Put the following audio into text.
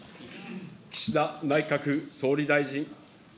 岸田内閣総理大臣。